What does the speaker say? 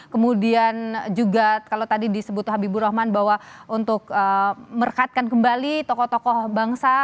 kemudian juga kalau tadi disebut habibur rahman bahwa untuk merekatkan kembali tokoh tokoh bangsa